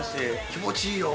気持ちいいよ。